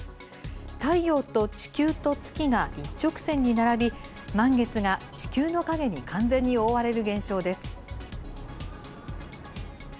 太陽と地球と月が一直線に並び、満月が地球の影に完全に覆われる現象です。